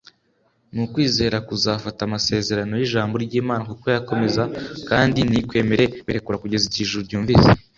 ni ukwizera kuzafata amasezerano yijambo ryImana kuko yakomeza kandi ntikwemere kuyarekura kugeza igihe Ijuru ryumvise